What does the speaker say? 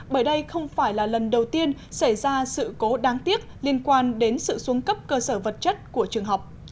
bởi đây không phải là lần đầu tiên xảy ra sự cố đáng tiếc liên quan đến sự xuống cấp cơ sở vật chất của trường học